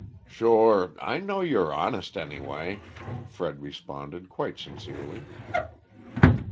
"Sure, I know you're honest, anyway," Fred responded quite sincerely.